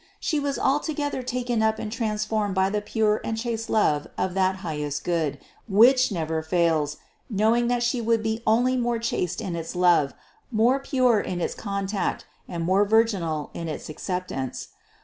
She was altogether taken up and transformed by the pure and chaste love of that highest Good which never fails, knowing that She would be only more chaste in its love, more pure in its contact, and more virginal in its acceptance.